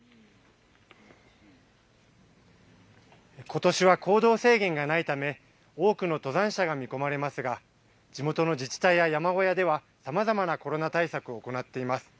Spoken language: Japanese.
ことしは行動制限がないため多くの登山者が見込まれますが、地元の自治体や山小屋ではさまざまなコロナ対策を行っています。